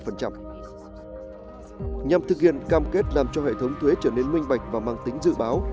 nhằm thực hiện cam kết làm cho hệ thống thuế trở nên minh bạch và mang tính dự báo